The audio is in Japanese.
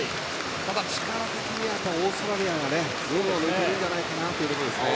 力的にはオーストラリアが群を抜いているんじゃないかなというところですね。